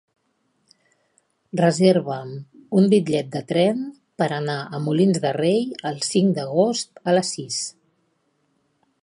Reserva'm un bitllet de tren per anar a Molins de Rei el cinc d'agost a les sis.